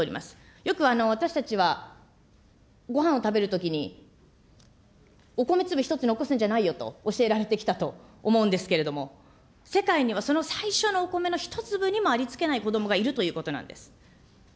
よく私たちはごはんを食べるときに、お米粒一粒残すんじゃないよと教えられてきたと思うんですけれども、世界にはその最初のお米の一粒にもありつけない子どもがいるということなんです。